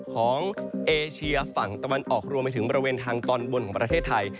ของเอเชียฝั่งตะวันออกรวมไปถึงบริเวณทางตอนบนของประเทศไทย